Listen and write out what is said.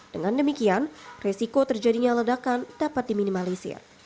dengan demikian resiko terjadinya ledakan dapat diminimalisir